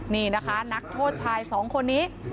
นี่นะคะนักโทษชายสองคนนี้